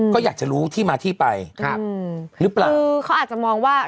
ก็อยากจะรู้ที่มาที่ไปครับหรือเปล่าคือเขาอาจจะมองว่า